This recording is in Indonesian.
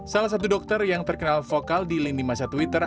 salah satu dokter yang terkenal vokal di lini masa twitter